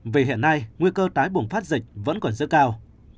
vì hiện nay nguy cơ tái bùng phát dịch vẫn còn rất cao